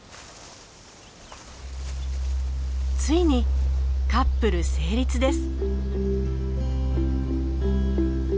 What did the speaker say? ついにカップル成立です。